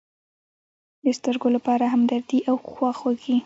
د سترگو لپاره همدردي او خواخوږي.